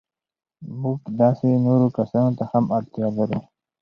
موږ داسې نورو کسانو ته هم اړتیا لرو.